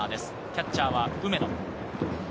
キャッチャーは梅野。